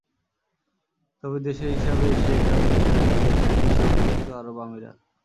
তবে দেশের হিসাবে এশিয়া কাপ শেষেও এগিয়ে থাকবে সংযুক্ত আরব আমিরাত।